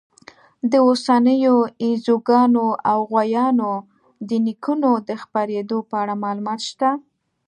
د اوسنیو ییږانو او غویانو د نیکونو د خپرېدو په اړه معلومات شته.